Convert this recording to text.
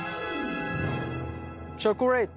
チョコレート。